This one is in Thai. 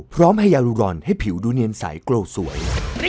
พร้อมให้ยารูรอนให้ผิวดูเนียนใสโกรธสวย